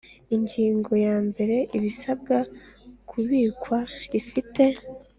Ingingo yambere Ibisabwa ku ibikwa rifite